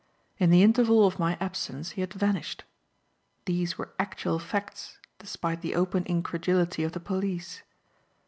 In the interval of my absence he had vanished. These were actual facts despite the open incredulity of the police.